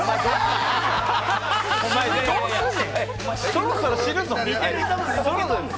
そろそろ死ぬぞ。